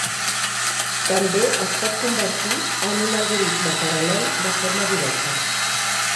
També es pot convertir en un algoritme paral·lel de forma directa.